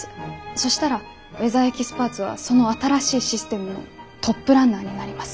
そしたらウェザーエキスパーツはその新しいシステムのトップランナーになります。